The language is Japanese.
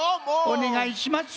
おねがいします。